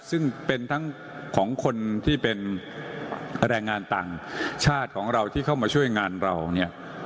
ซึ่งเป็นทั้งของคนที่เป็นแรงงานต่างชาติของเราที่เข้ามาช่วยงานเราเนี่ย